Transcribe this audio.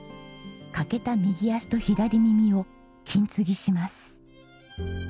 欠けた右足と左耳を金継ぎします。